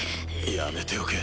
やめておけ。